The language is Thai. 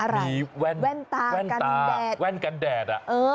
มีแว่นกันแดดแว่นกันแดด